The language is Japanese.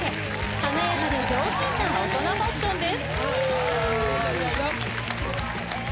華やかで上品な大人ファッションです。